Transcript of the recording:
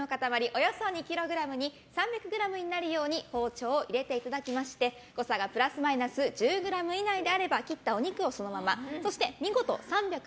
およそ２ｋｇに３００ｇになるように包丁を入れていただきまして誤差がプラスマイナス１０ｇ以内であれば切ったお肉をそのままそして見事３００